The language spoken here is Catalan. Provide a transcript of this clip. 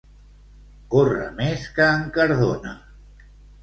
Córrer més que en Cardona.